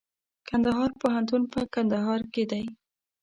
کندهار پوهنتون په کندهار کي دئ.